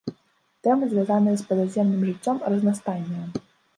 Тэмы, звязаныя з пазаземным жыццём, разнастайныя.